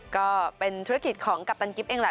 ก็เป็นธุรกิจของกัปตันกิ๊บเองแหละ